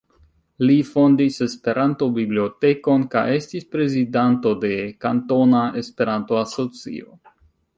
Li fondis Esperanto-bibliotekon, kaj estis prezidanto de Kantona Esperanto-Asocio.